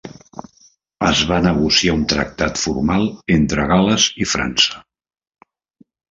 Es va negociar un tractat formal entre Gales i França.